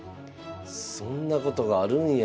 そんなことがあるんや。